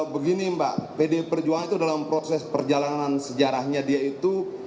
begini mbak pdi perjuangan itu dalam proses perjalanan sejarahnya dia itu